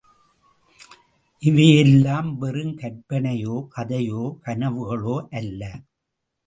இவையெல்லாம் வெறும் கற்பனையோ, கதையோ, கனவுகளோ அல்ல.